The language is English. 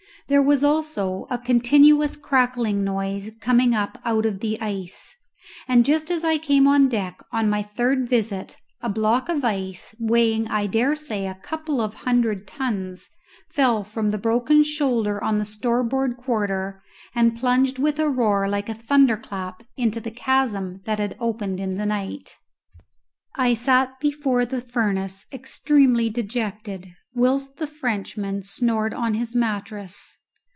There was also a continuous crackling noise coming up out of the ice, and just as I came on deck on my third visit, a block of ice, weighing I dare say a couple of hundred tons, fell from the broken shoulder on the starboard quarter, and plunged with a roar like a thunder clap into the chasm that had opened in the night. I sat before the furnace extremely dejected, whilst the Frenchman snored on his mattress.